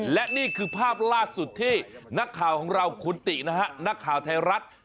และนี่คือภาพล่าสุดที่นักข่าวของเราคุณตินะฮะนักข่าวไทยรัฐ